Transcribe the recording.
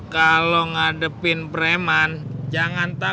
kenapa nggak sekalian aja kamu minta kerjaan juga sama saya